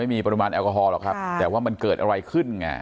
ไม่มีปริมาณแอลกอฮอลหรอกครับแต่ว่ามันเกิดอะไรขึ้นไง